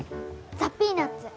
ザ・ピーナッツ。